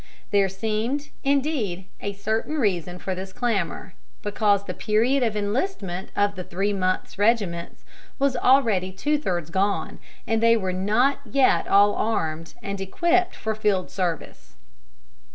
There seemed, indeed, a certain reason for this clamor, because the period of enlistment of the three months' regiments was already two thirds gone, and they were not yet all armed and equipped for field service.